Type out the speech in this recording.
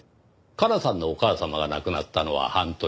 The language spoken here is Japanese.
加奈さんのお母様が亡くなったのは半年前。